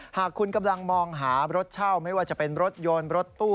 หากคุณกำลังมองหารถเช่าไม่ว่าจะเป็นรถยนต์รถตู้